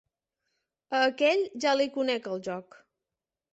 A aquell, ja li conec el joc.